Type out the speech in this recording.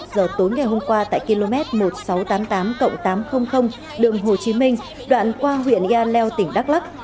hai mươi một giờ tối ngày hôm qua tại km một nghìn sáu trăm tám mươi tám tám trăm linh đường hồ chí minh đoạn qua huyện yaleo tỉnh đắk lắc